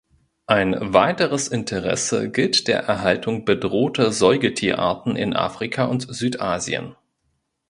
Ein weiteres Interesse gilt der Erhaltung bedrohter Säugetierarten in Afrika und Südasien.